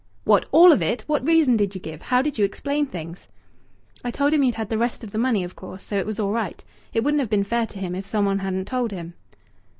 "What? All of it? What reason did you give? How did you explain things?" "I told him you'd had the rest of the money, of course, so it was all right. It wouldn't have been fair to him if some one hadn't told him."